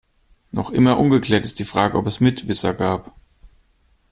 Noch immer ungeklärt ist die Frage, ob es Mitwisser gab.